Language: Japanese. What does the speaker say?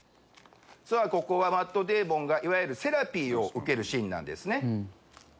ここはマット・デイモンがいわゆるセラピーを受けるシーンなんですね。